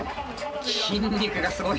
筋肉がすごい。